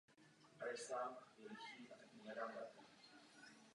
V jižní Itálii obecně existuje mnohem větší nezávislost jednotlivých částí budov.